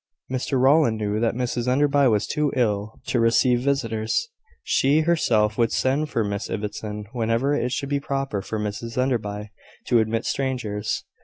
Mr Rowland knew that Mrs Enderby was too ill to receive visitors. She herself would send for Miss Ibbotson whenever it should be proper for Mrs Enderby to admit strangers.